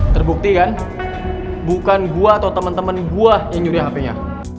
terbukti kan bukan gua atau temen temen gua yang nyuri hpnya